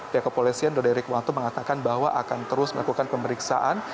pihak kepolisian dode rikwanto mengatakan bahwa akan terus melakukan pemeriksaan